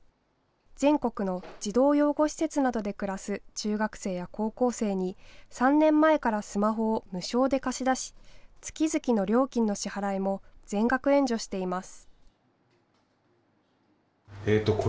全国の児童養護施設などで暮らす中学生や高校生に３年前からスマホを無償で貸し出し月々の料金の支払いも全額援助しています。